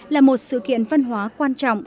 là một sự kiện văn hóa quan trọng